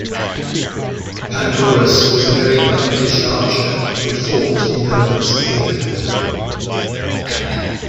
Pandorus was a very accomplished archer who fought in Homer's "Iliad".